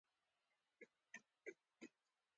پلار یې ویل که علم وي دولت ته اړتیا نشته